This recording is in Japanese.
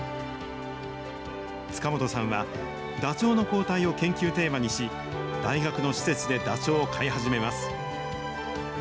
塚本さんは、ダチョウの抗体を研究テーマにし、大学の施設でダチョウを飼い始めます。